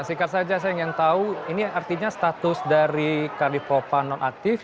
sikat saja saya ingin tahu ini artinya status dari kadif propan nonaktif